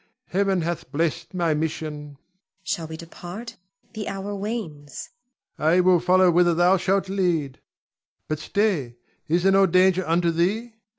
Heaven hath blessed my mission. Zuleika. Shall we depart? The hour wanes. Ion. I will follow whither thou shalt lead. But, stay! is there no danger unto thee?